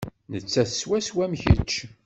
Nettat swaswa am kečč.